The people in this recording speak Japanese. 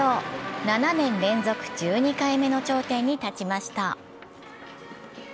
７年連続１２回目の頂点に立ちました。